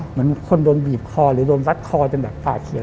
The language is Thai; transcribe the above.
เหมือนคนโดนบีบคอหรือโดนรัดคอจนแบบปากเขียว